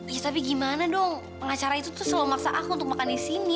ya tapi gimana dong pengacara itu selalu memaksa aku untuk makan di sini